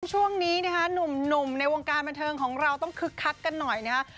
ช่วงนี้นะคะหนุ่มในวงการบันเทิงของเราต้องคึกคักกันหน่อยนะฮะ